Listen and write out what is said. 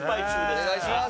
お願いします！